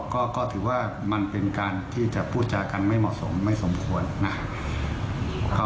ก็ถือว่ามันเป็นการที่จะพูดจากันไม่เหมาะสมไม่สมควรนะครับ